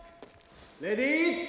レディー。